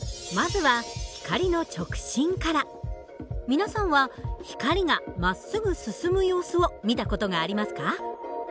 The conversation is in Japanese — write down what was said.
皆さんは光がまっすぐ進む様子を見た事がありますか？